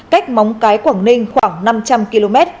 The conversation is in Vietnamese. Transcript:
cách móng cái quảng ninh khoảng năm trăm linh km về phía đông đông